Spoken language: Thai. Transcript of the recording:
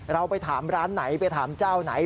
เราไปถามร้านไหนไปถามเจ้าไหน